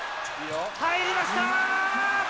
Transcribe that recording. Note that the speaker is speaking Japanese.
入りました！